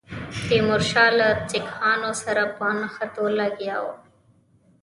تیمورشاه له سیکهانو سره په نښتو لګیا وو.